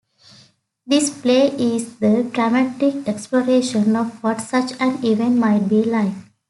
This play is the dramatic exploration of what such an event might be like.